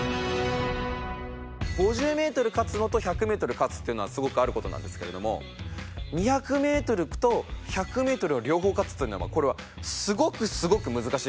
５０メートル勝つのと１００メートル勝つっていうのはすごくある事なんですけれども２００メートルと１００メートルを両方勝つというのはこれはすごくすごく難しい事なんです。